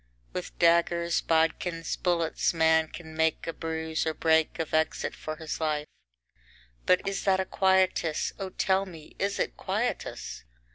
With daggers, bodkins, bullets, man can make a bruise or break of exit for his life; but is that a quietus, O tell me, is it quietus?